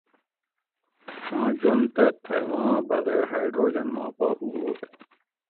ما جوند تہ تھئ ما بغیر ہائڈروجن ما پا اُبوُٹ